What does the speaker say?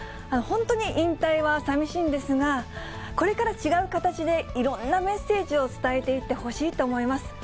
本当に引退はさみしいんですが、これから違う形で、いろんなメッセージを伝えていってほしいと思います。